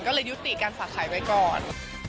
ก็เลยยุติการฝากขายไว้ก่อน